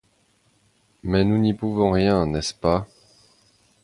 Mais nous n’y pouvons rien, n’est-ce pas